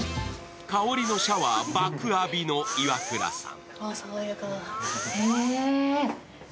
香りのシャワー爆浴びのイワクラさん。